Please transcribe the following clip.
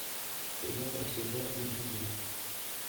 Ce genre est souvent hybridé.